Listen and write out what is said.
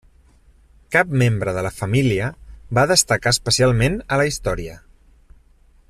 Cap membre de la família va destacar especialment a la història.